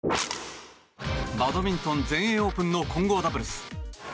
バドミントン全英オープンの混合ダブルス。